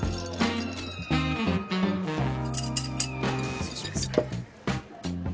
失礼します。